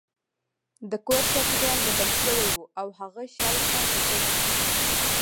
د کور چاپیریال بدل شوی و او هغه شاوخوا کتل